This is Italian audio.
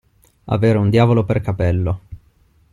Avere un diavolo per capello.